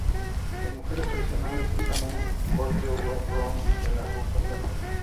Las mujeres tradicionalmente usan un corte o wrap-around de largo, falda maya.